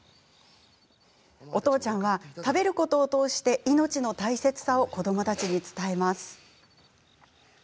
お父ちゃんは食べることを通して命の大切さを子どもたちに伝えます。